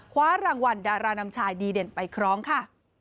คว้ารางวัลดารานำชายดีเด่นไปครองค่ะ